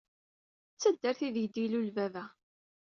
Ta d taddart ideg ilul baba.